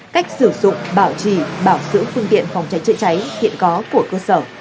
cách sử dụng bảo trì bảo dưỡng phương tiện phòng cháy chữa cháy hiện có của cơ sở